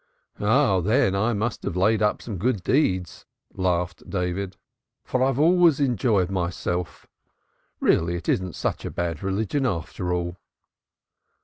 "Oh, then, even I must have laid up some good deeds," laughed David, "for I have always enjoyed myself. Really, it isn't such a bad religion after all."